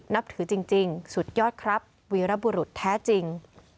นับถือจริงสุดยอดครับวีรบุรุษแท้จริง